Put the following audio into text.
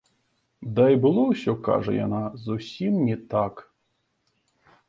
Ды і было ўсё, кажа яна, зусім не так.